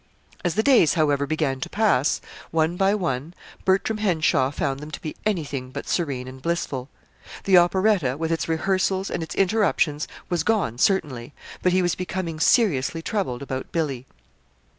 As the days, however, began to pass, one by one, Bertram Henshaw found them to be anything but serene and blissful. The operetta, with its rehearsals and its interruptions, was gone, certainly; but he was becoming seriously troubled about Billy.